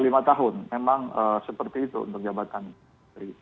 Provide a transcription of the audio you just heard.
memang seperti itu untuk jabatan menteri